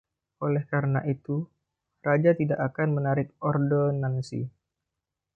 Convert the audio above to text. Oleh karena itu, Raja tidak akan menarik "ordonansi".